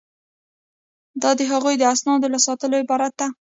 دا د هغوی د اسنادو له ساتلو عبارت ده.